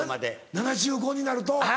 ７５になると。